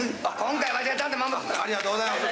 ありがとうございます。